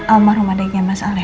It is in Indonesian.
almarum adiknya mas al ya